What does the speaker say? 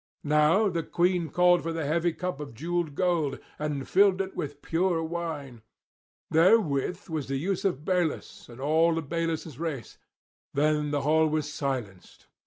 Now the queen called for a heavy cup of jewelled gold, and filled it with pure wine; therewith was the use of Belus and all of Belus' race: then the hall was silenced.